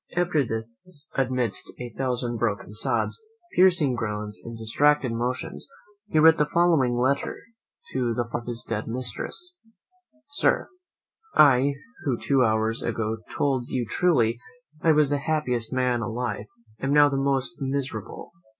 After this, amidst a thousand broken sobs, piercing groans, and distracted motions, he writ the following letter to the father of his dead mistress: "Sir, "I, who two hours ago told you truly I was the happiest man alive am now the most miserable.